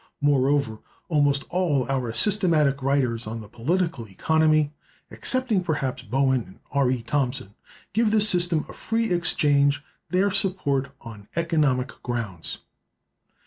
Moreover, almost all our systematic writers on political economy (excepting, perhaps, Bowen and R. E. Thompson) give the system of free exchange their support on economic grounds.